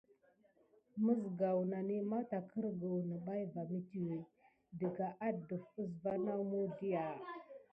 Məzgaw nane matagərgəw gay va métuwé dəga adəf əsva naw muwslya.